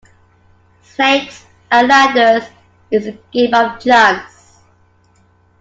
Snakes and ladders is a game of chance.